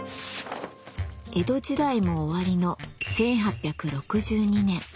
江戸時代も終わりの１８６２年。